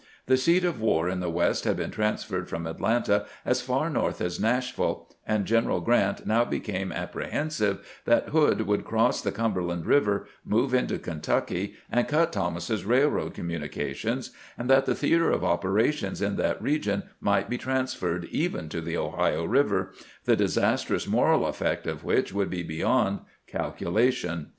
The seat of war in the West had been transferred from Atlanta as far north as Nash ville, and General Grant now became apprehensive 'that Hood would cross the Cumberland Eiver, move into Kentucky, and cut Thomas's railroad communications, and that the theater of operations in that region might be transferred even to the Ohio River, the disastrous moral effect of which would be beyond calculation.